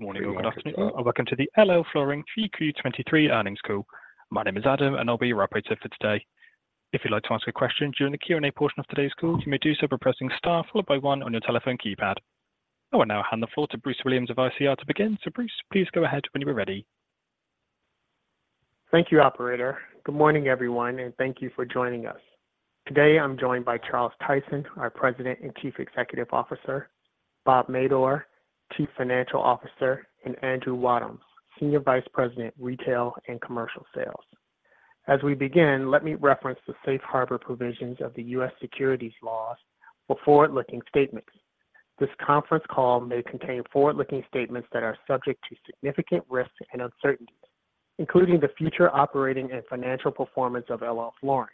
Good morning or good afternoon, and welcome to the LL Flooring 3Q 2023 earnings call. My name is Adam, and I'll be your operator for today. If you'd like to ask a question during the Q&A portion of today's call, you may do so by pressing star followed by one on your telephone keypad. I will now hand the floor to Bruce Williams of ICR to begin. So Bruce, please go ahead when you are ready. Thank you, operator. Good morning, everyone, and thank you for joining us. Today, I'm joined by Charles Tyson, our President and Chief Executive Officer, Bob Madore, Chief Financial Officer, and Andrew Wadhams, Senior Vice President, Retail and Commercial Sales. As we begin, let me reference the safe harbor provisions of the U.S. securities laws for forward-looking statements. This conference call may contain forward-looking statements that are subject to significant risks and uncertainties, including the future operating and financial performance of LL Flooring.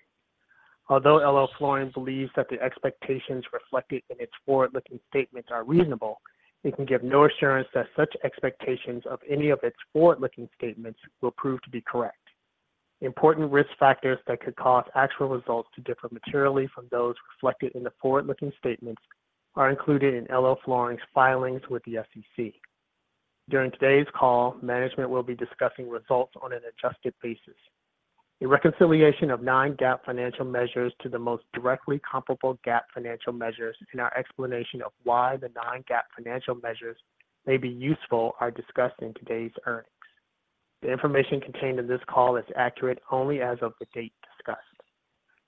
Although LL Flooring believes that the expectations reflected in its forward-looking statements are reasonable, it can give no assurance that such expectations of any of its forward-looking statements will prove to be correct. Important risk factors that could cause actual results to differ materially from those reflected in the forward-looking statements are included in LL Flooring's filings with the SEC. During today's call, management will be discussing results on an adjusted basis. A reconciliation of non-GAAP financial measures to the most directly comparable GAAP financial measures, and our explanation of why the non-GAAP financial measures may be useful, are discussed in today's earnings. The information contained in this call is accurate only as of the date discussed.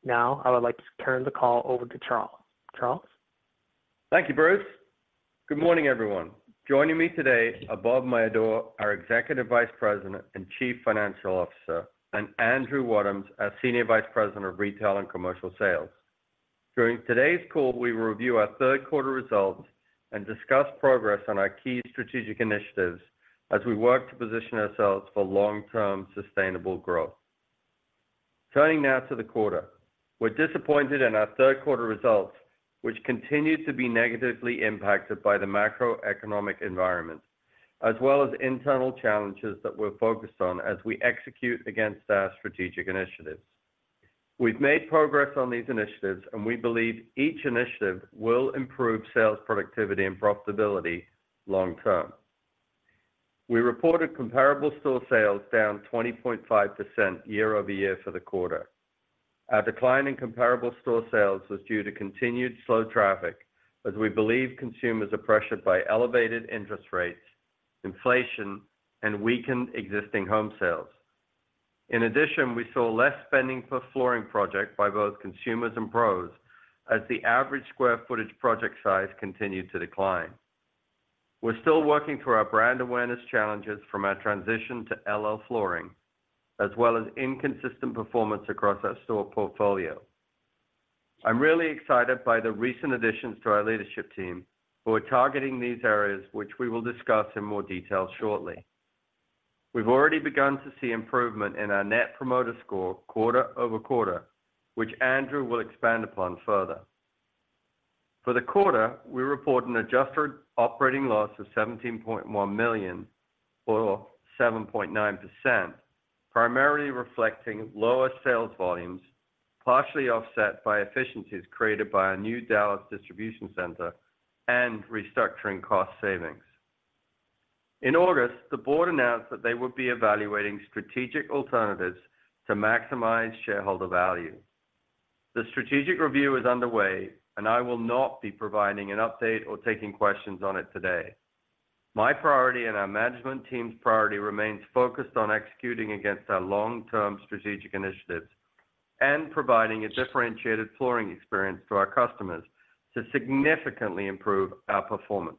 Now, I would like to turn the call over to Charles. Charles? Thank you, Bruce. Good morning, everyone. Joining me today are Bob Madore, our Executive Vice President and Chief Financial Officer, and Andrew Wadhams, our Senior Vice President of Retail and Commercial Sales. During today's call, we will review our third quarter results and discuss progress on our key strategic initiatives as we work to position ourselves for long-term sustainable growth. Turning now to the quarter. We're disappointed in our third quarter results, which continued to be negatively impacted by the macroeconomic environment, as well as internal challenges that we're focused on as we execute against our strategic initiatives. We've made progress on these initiatives, and we believe each initiative will improve sales, productivity, and profitability long term. We reported comparable store sales down 20.5% year-over-year for the quarter. Our decline in comparable store sales was due to continued slow traffic, as we believe consumers are pressured by elevated interest rates, inflation, and weakened existing home sales. In addition, we saw less spending per flooring project by both consumers and pros, as the average square footage project size continued to decline. We're still working through our brand awareness challenges from our transition to LL Flooring, as well as inconsistent performance across our store portfolio. I'm really excited by the recent additions to our leadership team, who are targeting these areas, which we will discuss in more detail shortly. We've already begun to see improvement in our net promoter score quarter-over-quarter, which Andrew will expand upon further. For the quarter, we report an adjusted operating loss of $17.1 million, or 7.9%, primarily reflecting lower sales volumes, partially offset by efficiencies created by our new Dallas distribution center and restructuring cost savings. In August, the board announced that they would be evaluating strategic alternatives to maximize shareholder value. The strategic review is underway, and I will not be providing an update or taking questions on it today. My priority and our management team's priority remains focused on executing against our long-term strategic initiatives and providing a differentiated flooring experience to our customers to significantly improve our performance.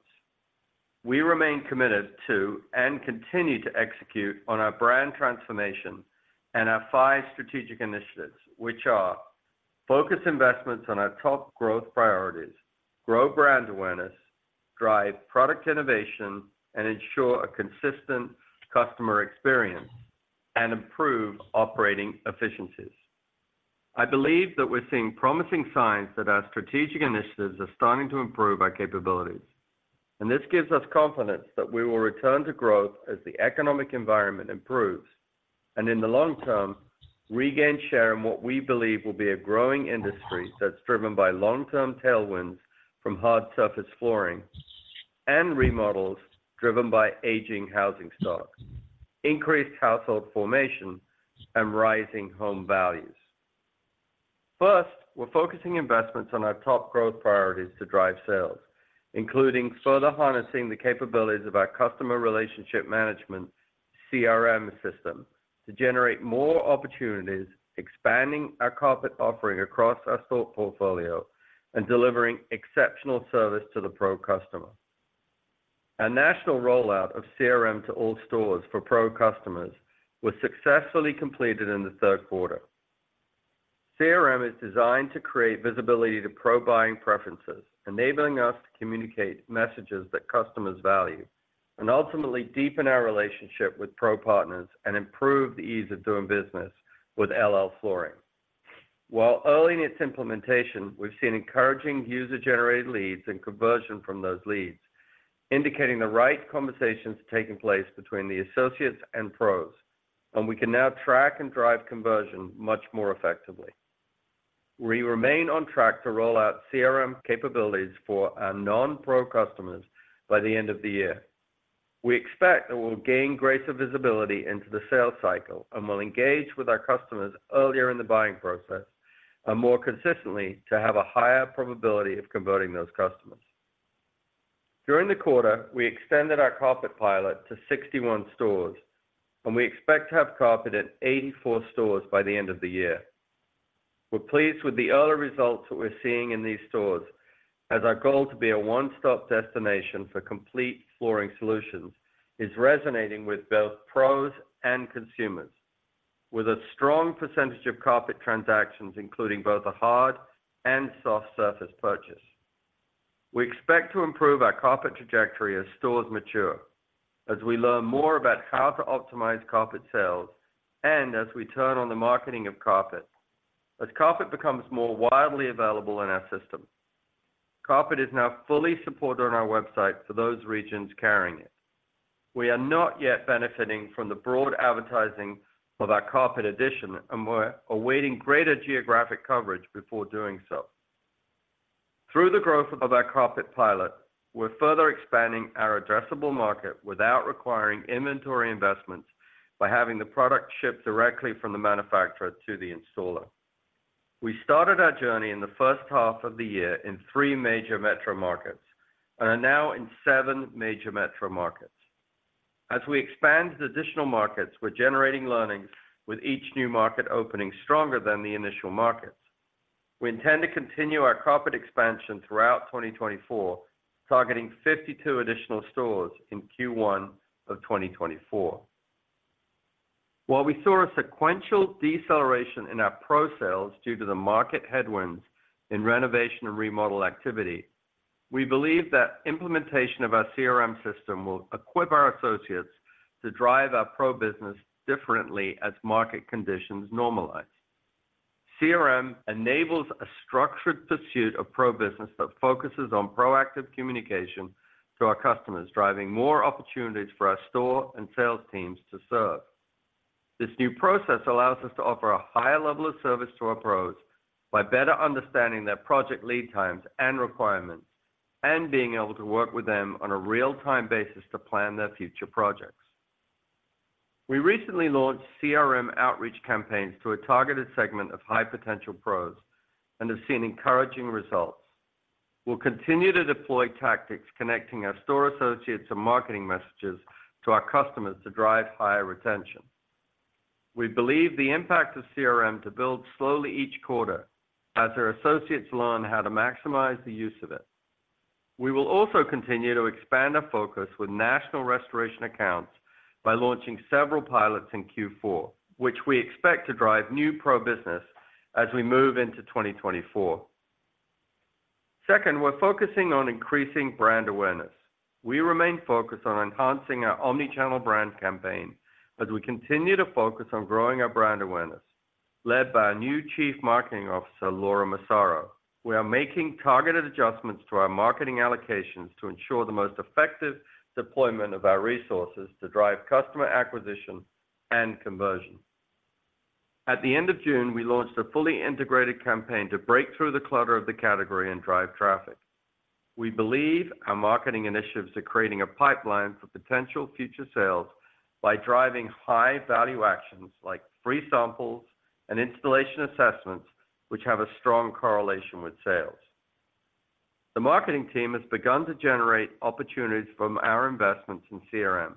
We remain committed to, and continue to execute on our brand transformation and our five strategic initiatives, which are: focus investments on our top growth priorities, grow brand awareness, drive product innovation, and ensure a consistent customer experience, and improve operating efficiencies. I believe that we're seeing promising signs that our strategic initiatives are starting to improve our capabilities, and this gives us confidence that we will return to growth as the economic environment improves, and in the long term, regain share in what we believe will be a growing industry that's driven by long-term tailwinds from hard surface flooring and remodels driven by aging housing stocks, increased household formation, and rising home values. First, we're focusing investments on our top growth priorities to drive sales, including further harnessing the capabilities of our customer relationship management, CRM system, to generate more opportunities, expanding our carpet offering across our store portfolio, and delivering exceptional service to the Pro customer. Our national rollout of CRM to all stores for Pro customers was successfully completed in the third quarter. CRM is designed to create visibility to Pro buying preferences, enabling us to communicate messages that customers value, and ultimately deepen our relationship with Pro partners and improve the ease of doing business with LL Flooring. While early in its implementation, we've seen encouraging user-generated leads and conversion from those leads, indicating the right conversations taking place between the associates and Pros, and we can now track and drive conversion much more effectively. We remain on track to roll out CRM capabilities for our non-Pro customers by the end of the year. We expect that we'll gain greater visibility into the sales cycle, and we'll engage with our customers earlier in the buying process, and more consistently, to have a higher probability of converting those customers. During the quarter, we extended our carpet pilot to 61 stores, and we expect to have carpet at 84 stores by the end of the year. We're pleased with the early results that we're seeing in these stores, as our goal to be a one-stop destination for complete flooring solutions is resonating with both pros and consumers, with a strong percentage of carpet transactions, including both a hard and soft surface purchase. We expect to improve our carpet trajectory as stores mature, as we learn more about how to optimize carpet sales, and as we turn on the marketing of carpet. As carpet becomes more widely available in our system, carpet is now fully supported on our website for those regions carrying it. We are not yet benefiting from the broad advertising of our carpet addition, and we're awaiting greater geographic coverage before doing so. Through the growth of our carpet pilot, we're further expanding our addressable market without requiring inventory investments, by having the product shipped directly from the manufacturer to the installer. We started our journey in the first half of the year in three major metro markets, and are now in seven major metro markets. As we expand to additional markets, we're generating learnings with each new market opening stronger than the initial markets. We intend to continue our carpet expansion throughout 2024, targeting 52 additional stores in Q1 of 2024. While we saw a sequential deceleration in our Pro sales due to the market headwinds in renovation and remodel activity, we believe that implementation of our CRM system will equip our associates to drive our Pro business differently as market conditions normalize. CRM enables a structured pursuit of Pro business that focuses on proactive communication to our customers, driving more opportunities for our store and sales teams to serve. This new process allows us to offer a higher level of service to our pros, by better understanding their project lead times and requirements, and being able to work with them on a real-time basis to plan their future projects. We recently launched CRM outreach campaigns to a targeted segment of high-potential pros and have seen encouraging results. We'll continue to deploy tactics connecting our store associates and marketing messages to our customers to drive higher retention. We believe the impact of CRM to build slowly each quarter as our associates learn how to maximize the use of it. We will also continue to expand our focus with national restoration accounts by launching several pilots in Q4, which we expect to drive new Pro business as we move into 2024. Second, we're focusing on increasing brand awareness. We remain focused on enhancing our omni-channel brand campaign as we continue to focus on growing our brand awareness, led by our new Chief Marketing Officer, Laura Massaro. We are making targeted adjustments to our marketing allocations to ensure the most effective deployment of our resources to drive customer acquisition and conversion. At the end of June, we launched a fully integrated campaign to break through the clutter of the category and drive traffic. We believe our marketing initiatives are creating a pipeline for potential future sales by driving high-value actions, like free samples and installation assessments, which have a strong correlation with sales. The marketing team has begun to generate opportunities from our investments in CRM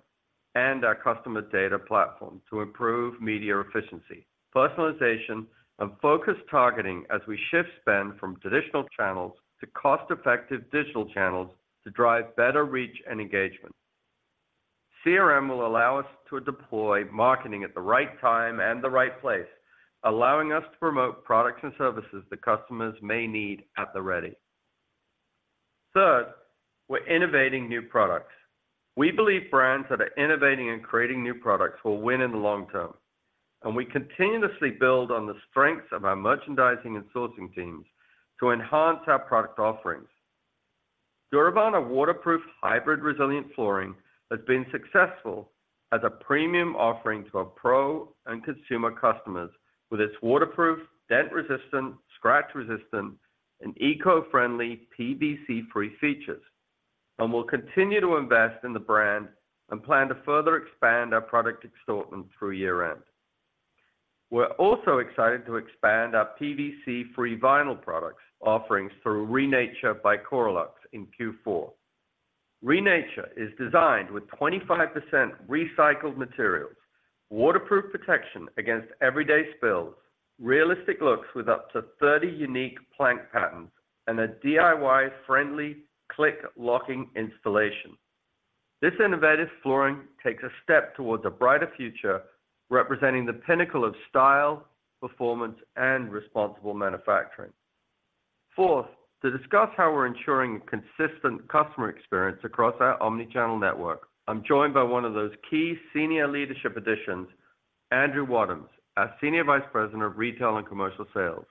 and our customer data platform to improve media efficiency, personalization, and focus targeting as we shift spend from traditional channels to cost-effective digital channels to drive better reach and engagement. CRM will allow us to deploy marketing at the right time and the right place, allowing us to promote products and services that customers may need at the ready. Third, we're innovating new products. We believe brands that are innovating and creating new products will win in the long term, and we continuously build on the strengths of our merchandising and sourcing teams to enhance our product offerings. Duravana waterproof, hybrid, resilient flooring has been successful as a premium offering to our Pro and consumer customers, with its waterproof, dent-resistant, scratch-resistant, and eco-friendly PVC-free features. We'll continue to invest in the brand and plan to further expand our product assortment through year-end. We're also excited to expand our PVC-free vinyl products offerings through ReNature by CoreLuxe in Q4. ReNature is designed with 25% recycled materials, waterproof protection against everyday spills, realistic looks with up to 30 unique plank patterns, and a DIY-friendly click locking installation. This innovative flooring takes a step towards a brighter future, representing the pinnacle of style, performance, and responsible manufacturing. Fourth, to discuss how we're ensuring a consistent customer experience across our omni-channel network, I'm joined by one of those key senior leadership additions, Andrew Wadhams, our Senior Vice President of Retail and Commercial Sales.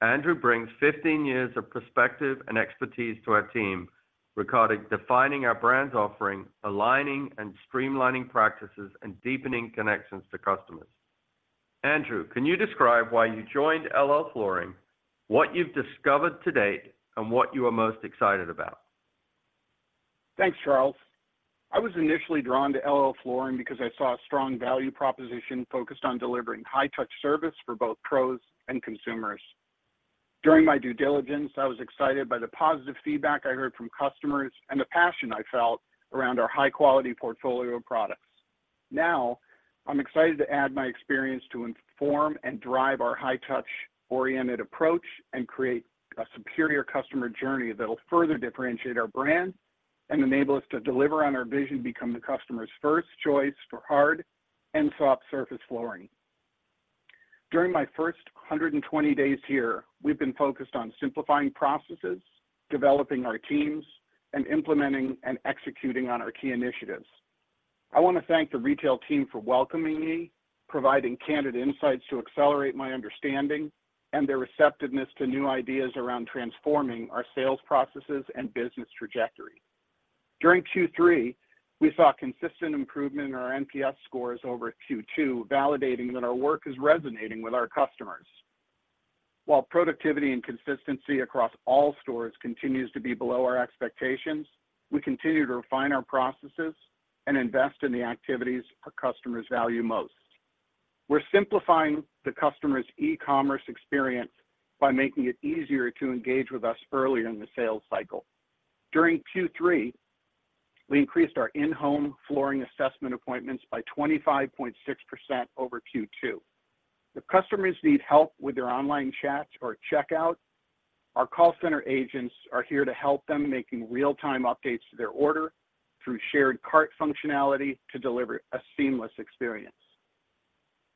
Andrew brings 15 years of perspective and expertise to our team... regarding defining our brand's offering, aligning and streamlining practices, and deepening connections to customers. Andrew, can you describe why you joined LL Flooring, what you've discovered to date, and what you are most excited about? Thanks, Charles. I was initially drawn to LL Flooring because I saw a strong value proposition focused on delivering high-touch service for both pros and consumers. During my due diligence, I was excited by the positive feedback I heard from customers and the passion I felt around our high-quality portfolio of products. Now, I'm excited to add my experience to inform and drive our high-touch oriented approach, and create a superior customer journey that will further differentiate our brand and enable us to deliver on our vision to become the customer's first choice for hard and soft surface flooring. During my first 120 days here, we've been focused on simplifying processes, developing our teams, and implementing and executing on our key initiatives. I wanna thank the retail team for welcoming me, providing candid insights to accelerate my understanding, and their receptiveness to new ideas around transforming our sales processes and business trajectory. During Q3, we saw a consistent improvement in our NPS scores over Q2, validating that our work is resonating with our customers. While productivity and consistency across all stores continues to be below our expectations, we continue to refine our processes and invest in the activities our customers value most. We're simplifying the customer's e-commerce experience by making it easier to engage with us earlier in the sales cycle. During Q3, we increased our in-home flooring assessment appointments by 25.6% over Q2. If customers need help with their online chats or checkout, our call center agents are here to help them, making real-time updates to their order through shared cart functionality to deliver a seamless experience.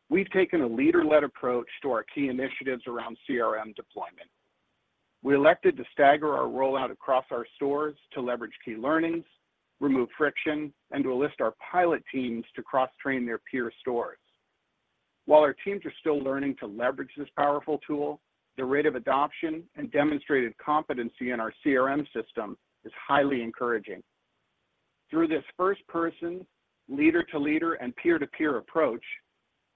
We've taken a leader-led approach to our key initiatives around CRM deployment. We elected to stagger our rollout across our stores to leverage key learnings, remove friction, and to enlist our pilot teams to cross-train their peer stores. While our teams are still learning to leverage this powerful tool, the rate of adoption and demonstrated competency in our CRM system is highly encouraging. Through this first-person, leader-to-leader, and peer-to-peer approach,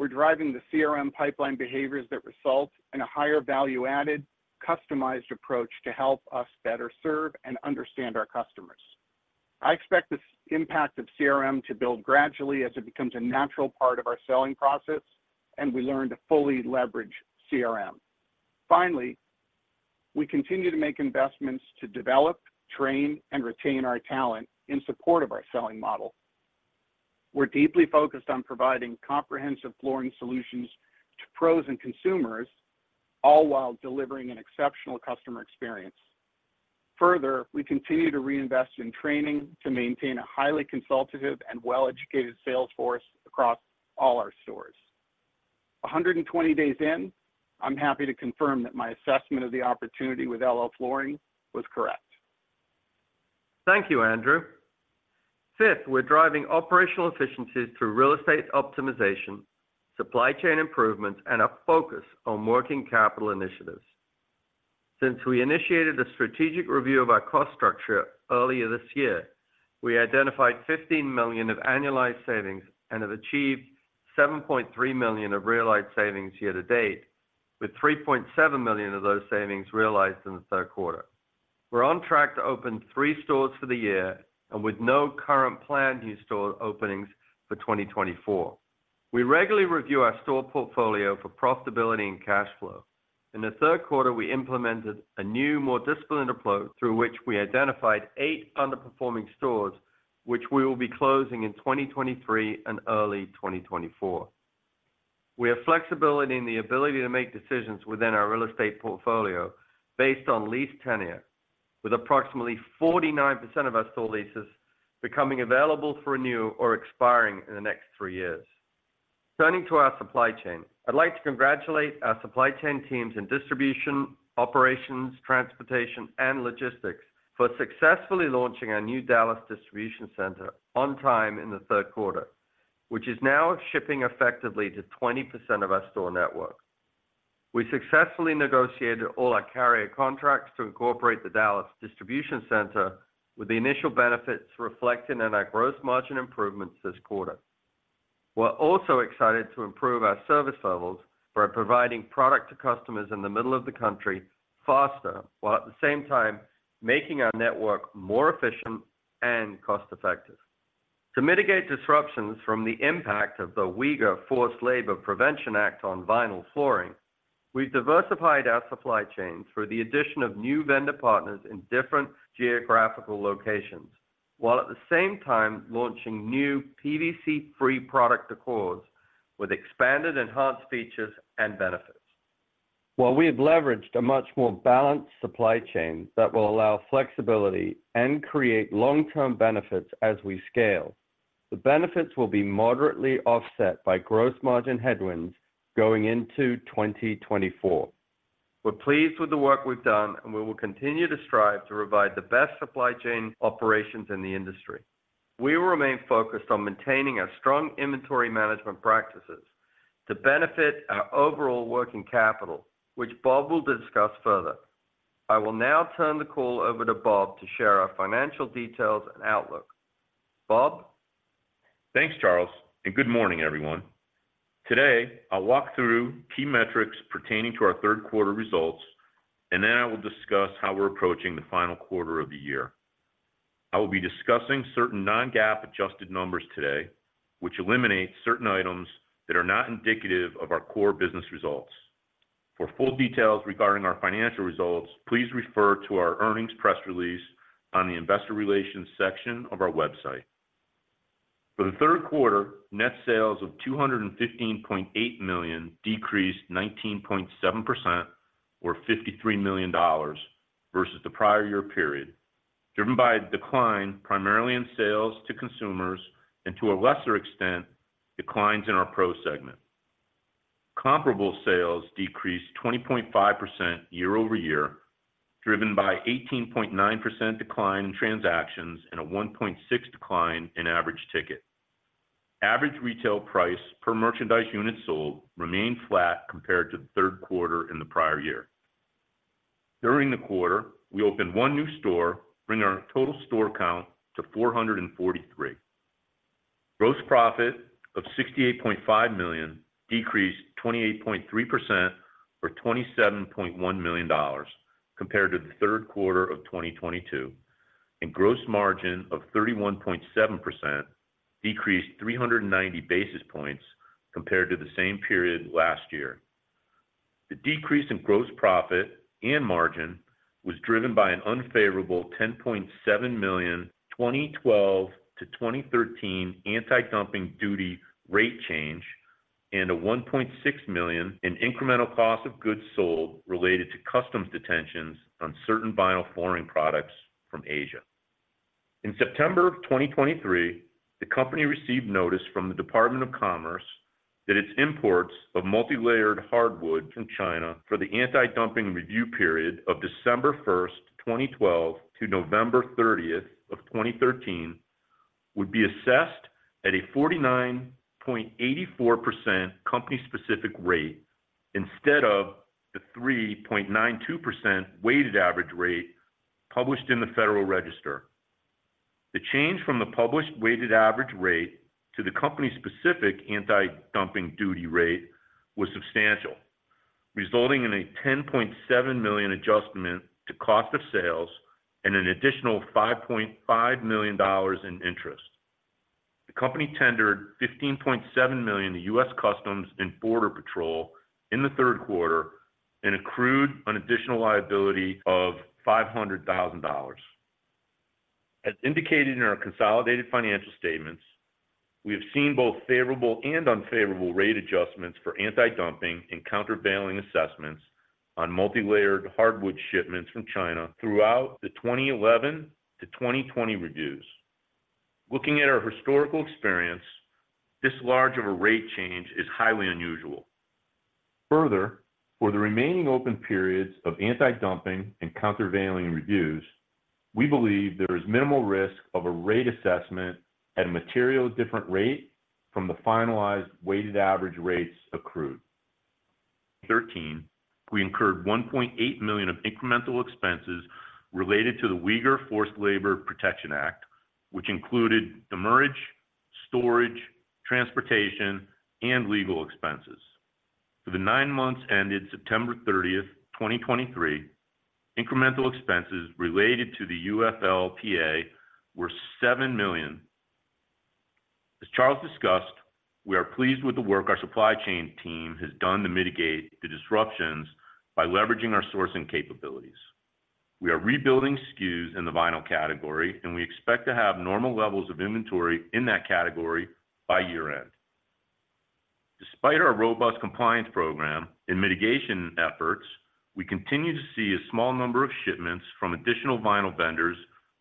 we're driving the CRM pipeline behaviors that result in a higher value-added, customized approach to help us better serve and understand our customers. I expect this impact of CRM to build gradually as it becomes a natural part of our selling process and we learn to fully leverage CRM. Finally, we continue to make investments to develop, train, and retain our talent in support of our selling model. We're deeply focused on providing comprehensive flooring solutions to pros and consumers, all while delivering an exceptional customer experience. Further, we continue to reinvest in training to maintain a highly consultative and well-educated sales force across all our stores. 120 days in, I'm happy to confirm that my assessment of the opportunity with LL Flooring was correct. Thank you, Andrew. Fifth, we're driving operational efficiencies through real estate optimization, supply chain improvements, and a focus on working capital initiatives. Since we initiated a strategic review of our cost structure earlier this year, we identified $15 million of annualized savings and have achieved $7.3 million of realized savings year to date, with $3.7 million of those savings realized in the third quarter. We're on track to open three stores for the year and with no current planned new store openings for 2024. We regularly review our store portfolio for profitability and cash flow. In the third quarter, we implemented a new, more disciplined approach through which we identified eight underperforming stores, which we will be closing in 2023 and early 2024. We have flexibility in the ability to make decisions within our real estate portfolio based on lease tenure, with approximately 49% of our store leases becoming available for renew or expiring in the next three years. Turning to our supply chain, I'd like to congratulate our supply chain teams in distribution, operations, transportation, and logistics for successfully launching our new Dallas distribution center on time in the third quarter, which is now shipping effectively to 20% of our store network. We successfully negotiated all our carrier contracts to incorporate the Dallas distribution center, with the initial benefits reflected in our gross margin improvements this quarter. We're also excited to improve our service levels for providing product to customers in the middle of the country faster, while at the same time making our network more efficient and cost-effective. To mitigate disruptions from the impact of the Uyghur Forced Labor Prevention Act on vinyl flooring, we've diversified our supply chain through the addition of new vendor partners in different geographical locations, while at the same time launching new PVC-free product decors with expanded, enhanced features and benefits. While we have leveraged a much more balanced supply chain that will allow flexibility and create long-term benefits as we scale, the benefits will be moderately offset by gross margin headwinds going into 2024. We're pleased with the work we've done, and we will continue to strive to provide the best supply chain operations in the industry. We will remain focused on maintaining our strong inventory management practices... to benefit our overall working capital, which Bob will discuss further. I will now turn the call over to Bob to share our financial details and outlook. Bob? Thanks, Charles, and good morning, everyone. Today, I'll walk through key metrics pertaining to our third quarter results, and then I will discuss how we're approaching the final quarter of the year. I will be discussing certain non-GAAP adjusted numbers today, which eliminate certain items that are not indicative of our core business results. For full details regarding our financial results, please refer to our earnings press release on the Investor Relations section of our website. For the third quarter, net sales of $215.8 million decreased 19.7% or $53 million versus the prior year period, driven by a decline primarily in sales to consumers and, to a lesser extent, declines in our Pro segment. Comparable sales decreased 20.5% year-over-year, driven by 18.9% decline in transactions and a 1.6% decline in average ticket. Average retail price per merchandise unit sold remained flat compared to the third quarter in the prior year. During the quarter, we opened one new store, bringing our total store count to 443. Gross profit of $68.5 million decreased 28.3% or $27.1 million compared to the third quarter of 2022, and gross margin of 31.7% decreased 390 basis points compared to the same period last year. The decrease in gross profit and margin was driven by an unfavorable $10.7 million, 2012-2013 antidumping duty rate change and a $1.6 million in incremental cost of goods sold related to customs detentions on certain vinyl flooring products from Asia. In September 2023, the company received notice from the Department of Commerce that its imports of multilayered hardwood from China for the antidumping review period of December 1st, 2012 to November 30th, 2013, would be assessed at a 49.84% company-specific rate instead of the 3.92% weighted average rate published in the Federal Register. The change from the published weighted average rate to the company's specific antidumping duty rate was substantial, resulting in a $10.7 million adjustment to cost of sales and an additional $5.5 million in interest. The company tendered $15.7 million to U.S. Customs and Border Protection in the third quarter and accrued an additional liability of $500,000. As indicated in our consolidated financial statements, we have seen both favorable and unfavorable rate adjustments for antidumping and countervailing assessments on multilayered hardwood shipments from China throughout the 2011 to 2020 reviews. Looking at our historical experience, this large of a rate change is highly unusual. Further, for the remaining open periods of antidumping and countervailing reviews, we believe there is minimal risk of a rate assessment at a material different rate from the finalized weighted average rates accrued. 2013, we incurred $1.8 million of incremental expenses related to the Uyghur Forced Labor Prevention Act, which included demurrage, storage, transportation, and legal expenses. For the nine months ended September 30, 2023, incremental expenses related to the UFLPA were $7 million. As Charles discussed, we are pleased with the work our supply chain team has done to mitigate the disruptions by leveraging our sourcing capabilities. We are rebuilding SKUs in the vinyl category, and we expect to have normal levels of inventory in that category by year-end. Despite our robust compliance program and mitigation efforts, we continue to see a small number of shipments from additional vinyl vendors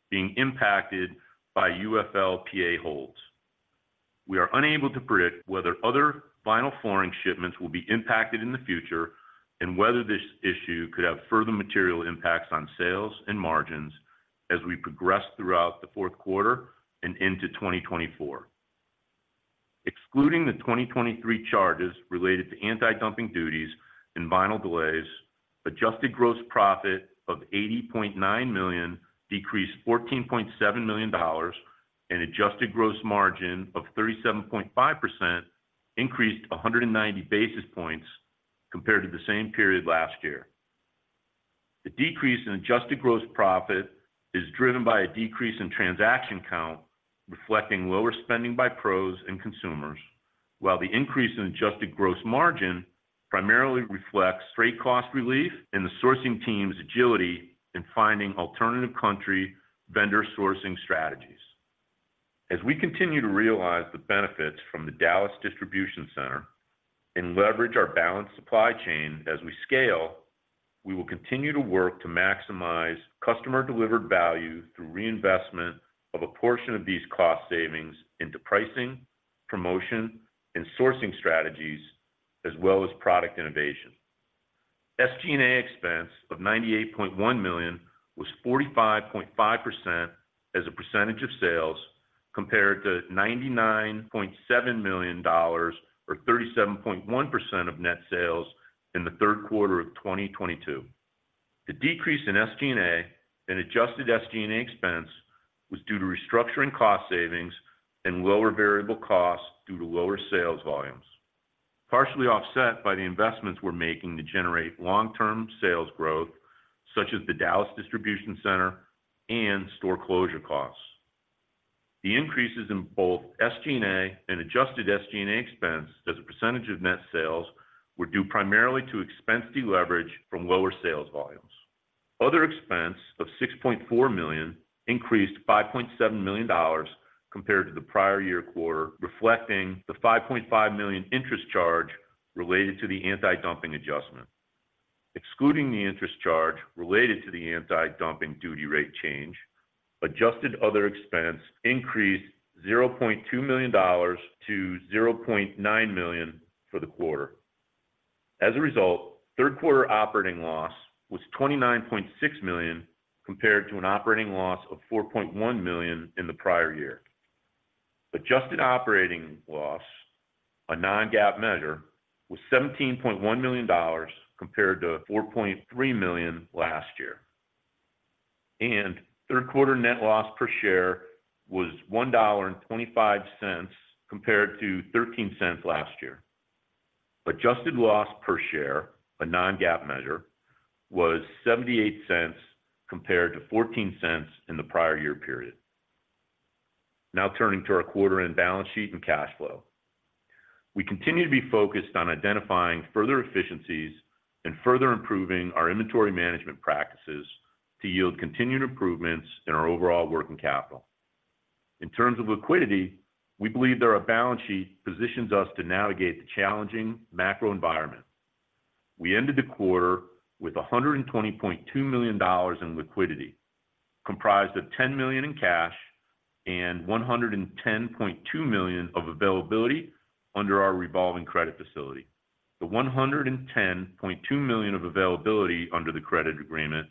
being impacted by UFLPA holds. We are unable to predict whether other vinyl flooring shipments will be impacted in the future and whether this issue could have further material impacts on sales and margins as we progress throughout the fourth quarter and into 2024. Excluding the 2023 charges related to antidumping duties and vinyl delays, adjusted gross profit of $80.9 million decreased $14.7 million, and adjusted gross margin of 37.5% increased 190 basis points compared to the same period last year. The decrease in adjusted gross profit is driven by a decrease in transaction count, reflecting lower spending by pros and consumers, while the increase in adjusted gross margin primarily reflects freight cost relief and the sourcing team's agility in finding alternative country vendor sourcing strategies. As we continue to realize the benefits from the Dallas distribution center and leverage our balanced supply chain as we scale, we will continue to work to maximize customer-delivered value through reinvestment of a portion of these cost savings into pricing, promotion, and sourcing strategies, as well as product innovation.... SG&A expense of $98.1 million was 45.5% as a percentage of sales, compared to $99.7 million, or 37.1% of net sales in the third quarter of 2022. The decrease in SG&A and adjusted SG&A expense was due to restructuring cost savings and lower variable costs due to lower sales volumes, partially offset by the investments we're making to generate long-term sales growth, such as the Dallas distribution center and store closure costs. The increases in both SG&A and adjusted SG&A expense as a percentage of net sales were due primarily to expense deleverage from lower sales volumes. Other expense of $6.4 million increased to $5.7 million compared to the prior year quarter, reflecting the $5.5 million interest charge related to the antidumping adjustment. Excluding the interest charge related to the antidumping duty rate change, adjusted other expense increased $0.2 million to $0.9 million for the quarter. As a result, third quarter operating loss was $29.6 million, compared to an operating loss of $4.1 million in the prior year. Adjusted operating loss, a non-GAAP measure, was $17.1 million, compared to $4.3 million last year. Third quarter net loss per share was $1.25, compared to $0.13 last year. Adjusted loss per share, a non-GAAP measure, was $0.78 compared to $0.14 in the prior year period. Now turning to our quarter-end balance sheet and cash flow. We continue to be focused on identifying further efficiencies and further improving our inventory management practices to yield continued improvements in our overall working capital. In terms of liquidity, we believe that our balance sheet positions us to navigate the challenging macro environment. We ended the quarter with $120.2 million in liquidity, comprised of $10 million in cash and $110.2 million of availability under our revolving credit facility. The $110.2 million of availability under the credit agreement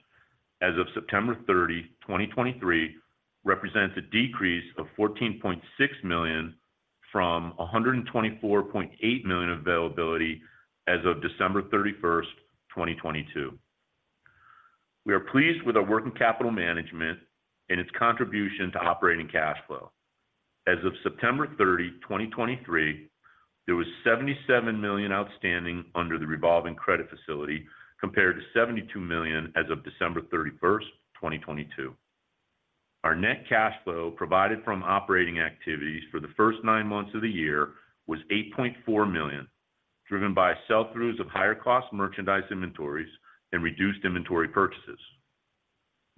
as of September 30, 2023, represents a decrease of $14.6 million from $124.8 million availability as of December 31st, 2022. We are pleased with our working capital management and its contribution to operating cash flow. As of September 30, 2023, there was $77 million outstanding under the revolving credit facility, compared to $72 million as of December 31st, 2022. Our net cash flow provided from operating activities for the first nine months of the year was $8.4 million, driven by sell-throughs of higher cost merchandise inventories and reduced inventory purchases.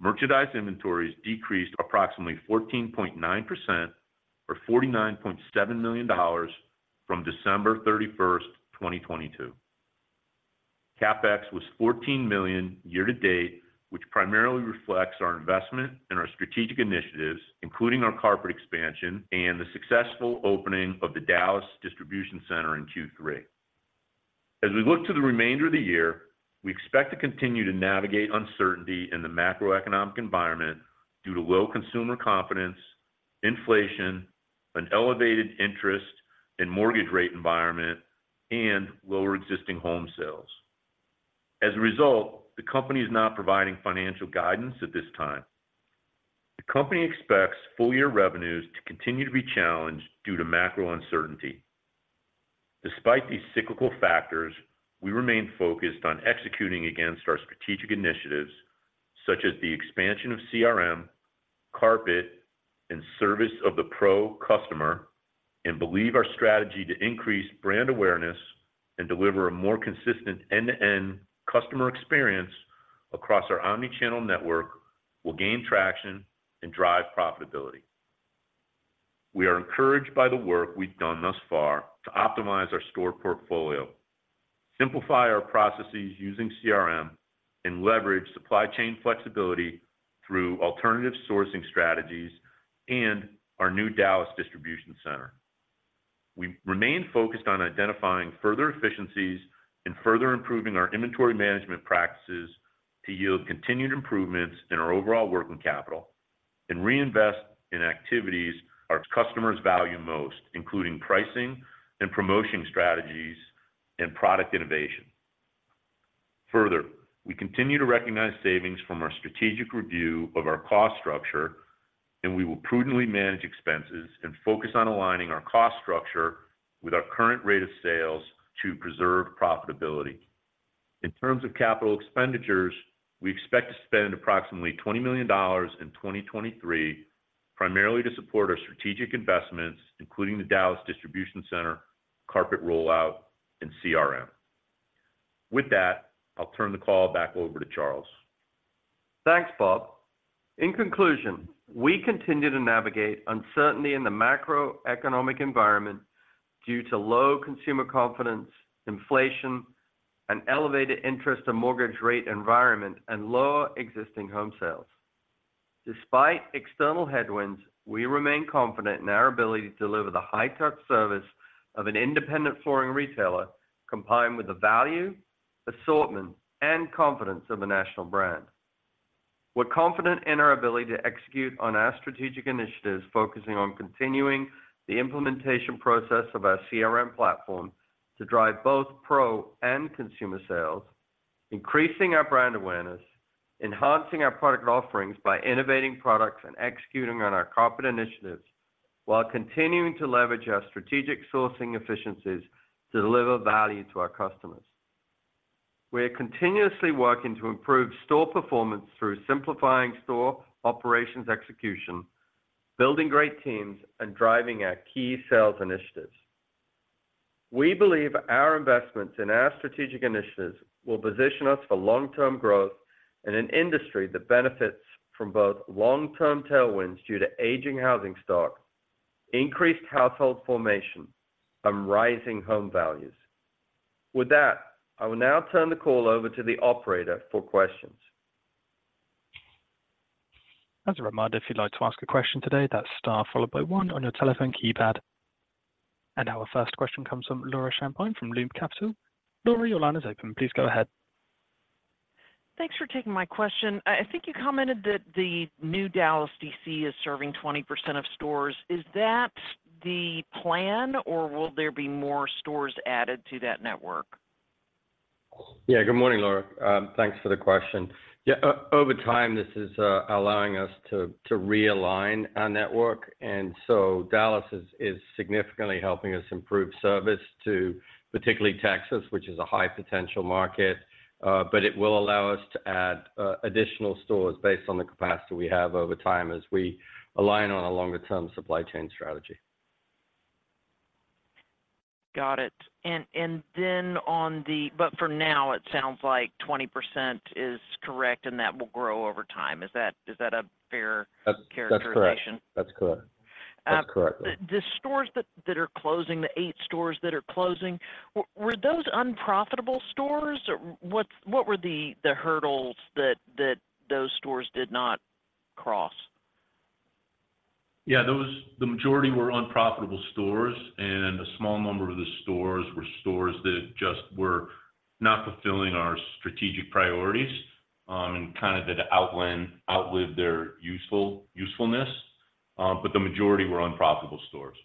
Merchandise inventories decreased approximately 14.9% or $49.7 million from December 31st, 2022. CapEx was $14 million year to date, which primarily reflects our investment in our strategic initiatives, including our carpet expansion and the successful opening of the Dallas distribution center in Q3. As we look to the remainder of the year, we expect to continue to navigate uncertainty in the macroeconomic environment due to low consumer confidence, inflation, an elevated interest in mortgage rate environment, and lower existing home sales. As a result, the company is not providing financial guidance at this time. The company expects full-year revenues to continue to be challenged due to macro uncertainty. Despite these cyclical factors, we remain focused on executing against our strategic initiatives, such as the expansion of CRM, carpet, and service of the Pro customer, and believe our strategy to increase brand awareness and deliver a more consistent end-to-end customer experience across our omni-channel network will gain traction and drive profitability. We are encouraged by the work we've done thus far to optimize our store portfolio, simplify our processes using CRM, and leverage supply chain flexibility through alternative sourcing strategies and our new Dallas distribution center. We remain focused on identifying further efficiencies and further improving our inventory management practices to yield continued improvements in our overall working capital and reinvest in activities our customers value most, including pricing and promotion strategies and product innovation. Further, we continue to recognize savings from our strategic review of our cost structure, and we will prudently manage expenses and focus on aligning our cost structure with our current rate of sales to preserve profitability. In terms of capital expenditures, we expect to spend approximately $20 million in 2023, primarily to support our strategic investments, including the Dallas distribution center, carpet rollout, and CRM. With that, I'll turn the call back over to Charles. Thanks, Bob. In conclusion, we continue to navigate uncertainty in the macroeconomic environment due to low consumer confidence, inflation, and elevated interest and mortgage rate environment, and lower existing home sales. Despite external headwinds, we remain confident in our ability to deliver the high-touch service of an independent flooring retailer, combined with the value, assortment, and confidence of a national brand. We're confident in our ability to execute on our strategic initiatives, focusing on continuing the implementation process of our CRM platform to drive both Pro and consumer sales, increasing our brand awareness, enhancing our product offerings by innovating products and executing on our corporate initiatives, while continuing to leverage our strategic sourcing efficiencies to deliver value to our customers. We are continuously working to improve store performance through simplifying store operations execution, building great teams, and driving our key sales initiatives. We believe our investments in our strategic initiatives will position us for long-term growth in an industry that benefits from both long-term tailwinds due to aging housing stock, increased household formation, and rising home values. With that, I will now turn the call over to the operator for questions. As a reminder, if you'd like to ask a question today, that's star followed by one on your telephone keypad. Our first question comes from Laura Champine from Loop Capital. Laura, your line is open. Please go ahead. Thanks for taking my question. I think you commented that the new Dallas DC is serving 20% of stores. Is that the plan, or will there be more stores added to that network? Yeah. Good morning, Laura. Thanks for the question. Yeah, over time, this is allowing us to realign our network, and so Dallas is significantly helping us improve service to particularly Texas, which is a high potential market. But it will allow us to add additional stores based on the capacity we have over time as we align on a longer term supply chain strategy. Got it. But for now, it sounds like 20% is correct, and that will grow over time. Is that, is that a fair- That's- - characterization? That's correct. That's correct. That's correct, Laura. The stores that are closing, the eight stores that are closing, were those unprofitable stores? Or what were the hurdles that those stores did not cross? Yeah, those... The majority were unprofitable stores, and a small number of the stores were stores that just were not fulfilling our strategic priorities, and kind of that outlived their useful usefulness. But the majority were unprofitable stores.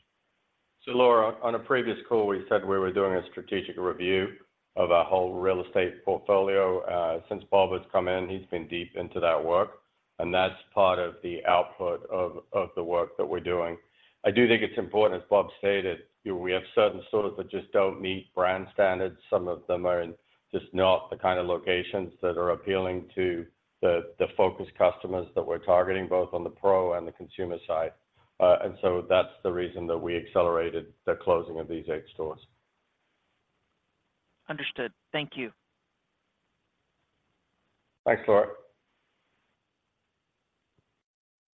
So, Laura, on a previous call, we said we were doing a strategic review of our whole real estate portfolio. Since Bob has come in, he's been deep into that work, and that's part of the output of the work that we're doing. I do think it's important, as Bob stated, you know, we have certain stores that just don't meet brand standards. Some of them are in just not the kind of locations that are appealing to the focus customers that we're targeting, both on the Pro and the consumer side. And so that's the reason that we accelerated the closing of these eight stores. Understood. Thank you. Thanks, Laura.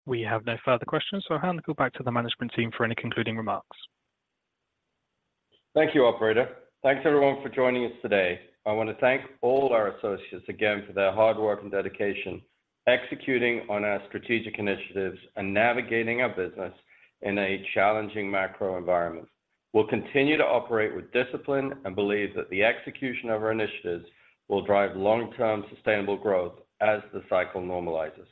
We have no further questions, so I'll hand it back to the management team for any concluding remarks. Thank you, Operator. Thanks, everyone, for joining us today. I want to thank all our associates again for their hard work and dedication, executing on our strategic initiatives and navigating our business in a challenging macro environment. We'll continue to operate with discipline and believe that the execution of our initiatives will drive long-term sustainable growth as the cycle normalizes.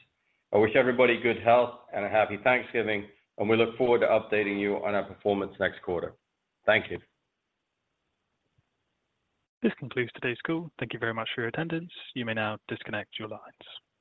I wish everybody good health and a Happy Thanksgiving, and we look forward to updating you on our performance next quarter. Thank you. This concludes today's call. Thank you very much for your attendance. You may now disconnect your lines.